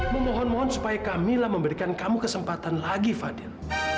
memohon mohon supaya kamilah memberikan kamu kesempatan lagi fadil